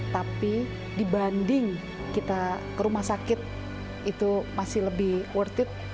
tapi dibanding kita ke rumah sakit itu masih lebih worth it